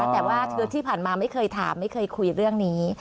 แต่ว่าที่ผ่านมาไม่เคยถามไม่เคยคุยเรื่องนี้